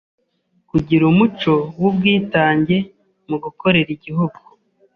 kugira umuco w’ubwitange mu gukorera Igihugu;